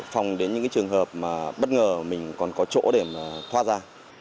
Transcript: phòng đến những trường hợp bất ngờ mình còn có chỗ để thoát ra